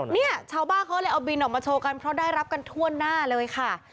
เนี่ยชาวบ้านเขาเลยเอาบินออกมาโชว์กันเพราะได้รับกันทั่วหน้าเลยค่ะ